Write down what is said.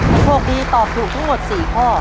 และพวกดีตอบถูกทั้งหมด๔ข้อ